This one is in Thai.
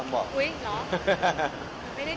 ไม่ได้เทียบเนี่ย